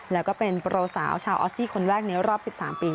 แล้วก็เป็นโปรสาวชาวออสซี่คนแรกในรอบ๑๓ปี